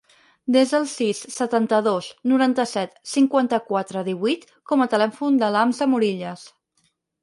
Desa el sis, setanta-dos, noranta-set, cinquanta-quatre, divuit com a telèfon de l'Hamza Morillas.